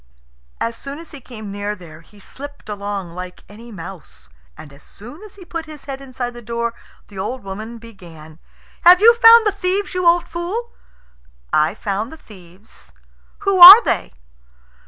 As soon as he came near there he slipped along like any mouse. And as soon as he put his head inside the door the old woman began, "Have you found the thieves, you old fool?" "I found the thieves." "Who were they?"